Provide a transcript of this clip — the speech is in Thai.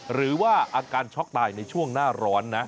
หรือว่าอาการช็อกตายในช่วงหน้าร้อนนะ